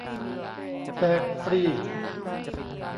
แจก ฟรี !